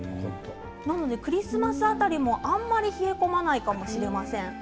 なので、クリスマス辺りもあんまり冷え込まないかもしれません。